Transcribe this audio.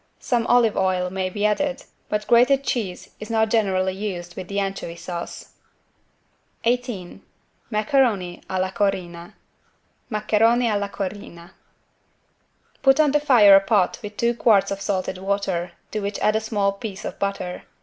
Some olive oil may be added, but grated cheese is not generally used with the anchovy sauce. 18 MACARONI A LA CORINNA (Maccheroni alla Corinna) Put on the fire a pot with two quarts of salted water to which add a small piece of butter.